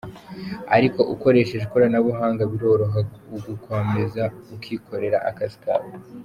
Ariko ukoresheje ikoranabuhanga biroroha ugakomeza ukikorera akazi kawe.